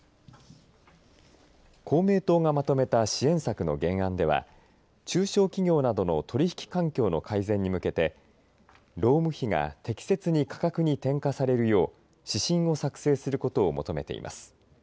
公明党がまとめた支援策の原案では中小企業などの取引環境の改善に向けて労務費が適切に価格に転嫁されるよう指針を作成することを求めています。